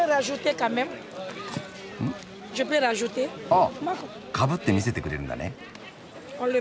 あっかぶって見せてくれるんだね。